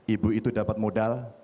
ibu itu dapat modal